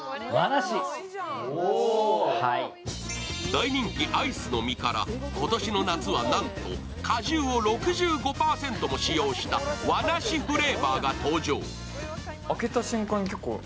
大人気、アイスの実から今年の夏はなんと果汁を６５％も使用した和梨フレーバーが登場。